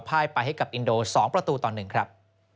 ภ่ายไปให้กับอินโดสองประตูต่อหนึ่งครับ